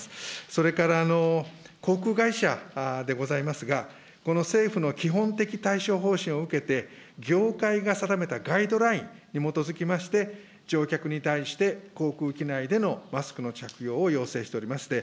それから航空会社でございますが、この政府の基本的対処方針を受けて、業界が定めたガイドラインに基づきまして、乗客に対して、航空機内でのマスクの着用を要請しております。